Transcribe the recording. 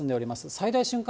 最大瞬間